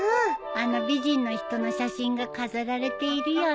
あの美人の人の写真が飾られているよね。